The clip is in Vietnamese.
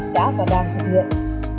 đã và đang thực hiện